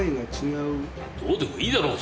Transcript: どうでもいいだろう！